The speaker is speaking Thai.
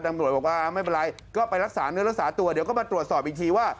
ตำรวจบอกว่าไม่เป็นไรก็ไปรักษาเนื้อรักษาตัวเดี๋ยวก็มาตรวจสอบอีกทีว่า